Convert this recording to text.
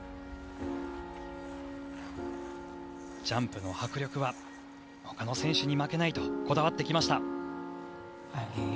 ジャンプの迫力は他の選手に負けないとこだわってきました。